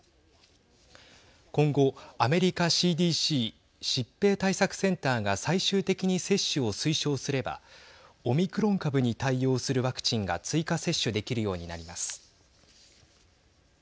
今後、アメリカＣＤＣ＝疾病対策センターが最終的に接種を推奨すればオミクロン株に対応するワクチンが追加接種できるようになります。